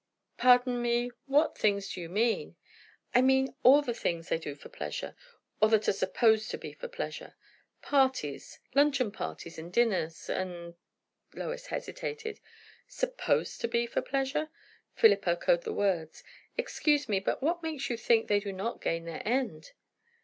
"Pardon me, what things do you mean?" "I mean, all the things they do for pleasure, or that are supposed to be for pleasure. Parties luncheon parties, and dinners, and " Lois hesitated. "Supposed to be for pleasure!" Philip echoed the words. "Excuse me but what makes you think they do not gain their end?"